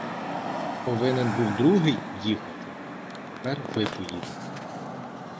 Повинен був другий їхати, а тепер ви поїдете.